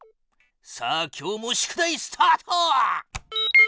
さあ今日も宿題スタート！